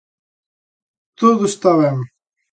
Todo está ben.